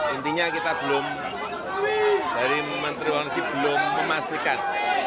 intinya kita belum dari menteri luar negeri belum memastikan